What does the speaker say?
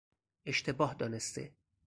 اشتباه دانسته